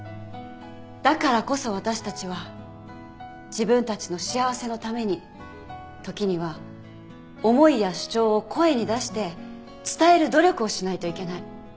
だからこそ私たちは自分たちの幸せのために時には思いや主張を声に出して伝える努力をしないといけない。